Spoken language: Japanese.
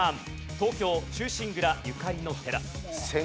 東京『忠臣蔵』ゆかりの寺。